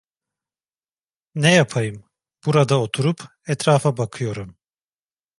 Ne yapayım, burada oturup etrafa bakıyorum.